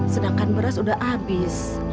sedangkan beras sudah habis